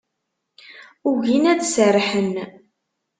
Ugin ad serrḥen.